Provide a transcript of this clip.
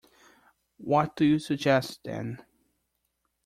What do you suggest, then?